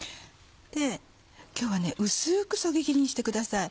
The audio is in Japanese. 今日は薄くそぎ切りにしてください。